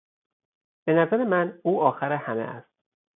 به نظر من او آخر همه است.